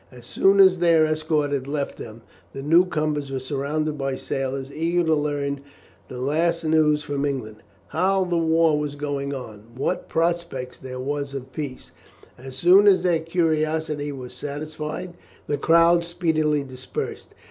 As soon as their escort had left them, the newcomers were surrounded by sailors eager to learn the last news from England how the war was going on, and what prospect there was of peace. As soon as their curiosity was satisfied, the crowd speedily dispersed.